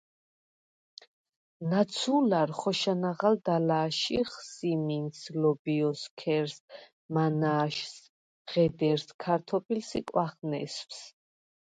ნაცუ̄ლარ ხოშა ნაღალდ ალა̄შიხ: სიმინდს, ლობჲოს, ქერს, მანა̄შს, ღედერს, ქართობილს ი კვახნესვს.